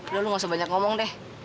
udah lu gausah banyak ngomong deh